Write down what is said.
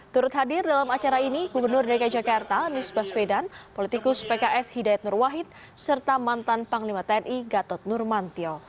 turut hadir dalam acara ini gubernur dki jakarta anies baswedan politikus pks hidayat nur wahid serta mantan panglima tni gatot nurmantio